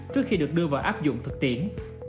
trước khi được đưa vào áp dụng thực tiễn